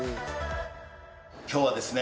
今日はですね